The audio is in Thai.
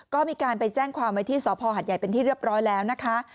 ก็มีการไปแจ้งความไว้ที่สพหัดใหญ่เป็นที่เรียบร้อยแล้วนะคะ